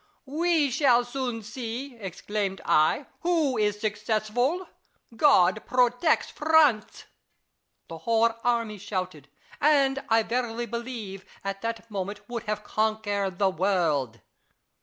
" We shall soon see," exclaimed I, " who is successful : God protects France." The whole army shouted, and, I verily believe, at that moment would have conquered the world.